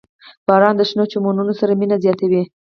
• باران د شنو چمنونو سره مینه زیاتوي.